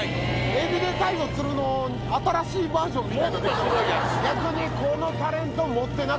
エビでタイを釣るの新しいバージョンみたいな。